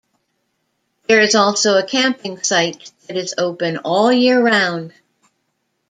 There is also a camping site that is open all year round.